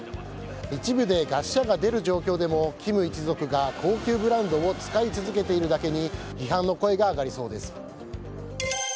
一部で餓死者が出る状況でも金一族が高級ブランドを使い続けているだけに批判の声が上がりそうです。